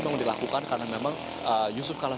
mengilakukan karena memang yusuf kalla